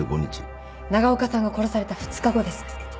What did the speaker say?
長岡さんが殺された２日後です。